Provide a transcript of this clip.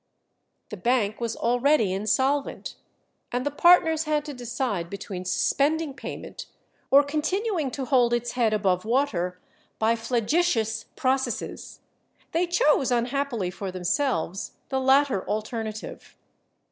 The bank was already insolvent, and the partners had to decide between suspending payment or continuing to hold its head above water by flagitious processes. They chose, unhappily for themselves, the latter alternative.